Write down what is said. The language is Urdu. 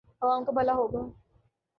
عوام کا بھلا ہو گا۔